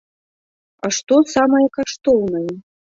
А што самае каштоўнае?